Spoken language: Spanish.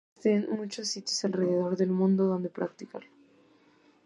Existen muchos sitios alrededor del mundo donde practicarlo.